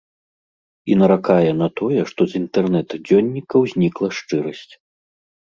І наракае на тое, што з інтэрнэт-дзённікаў знікла шчырасць.